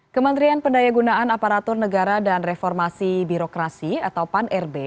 kementerian pendaya gunaan aparatur negara dan reformasi birokrasi atau pan rb